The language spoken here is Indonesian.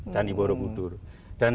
candi borobudur dan